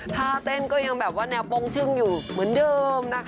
ท่าเต้นก็ยังแบบว่าแนวปงชึ่งอยู่เหมือนเดิมนะคะ